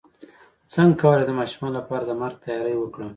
څنګه کولی شم د ماشومانو لپاره د مرګ تیاری وکړم